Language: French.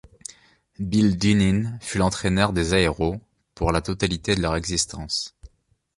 Bill Dineen fut l'entraîneur des Aeros pour la totalité de leur existence.